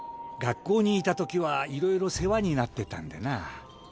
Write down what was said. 学校にいたときはいろいろ世話になってたんでな。